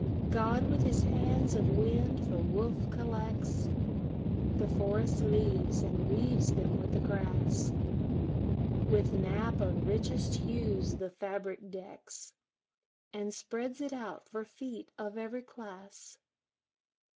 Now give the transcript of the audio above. God with His hands of wind for woof collects The forest leaves, and weaves them with the grass, With nap of richest hues the fabric decks, And spreads it out for feet of every class.